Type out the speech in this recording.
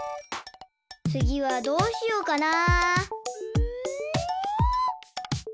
つぎはどうしようかな？